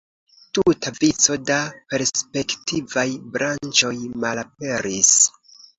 Tuta vico da perspektivaj branĉoj malaperis.